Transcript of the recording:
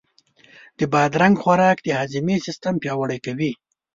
د بادرنګ خوراک د هاضمې سیستم پیاوړی کوي.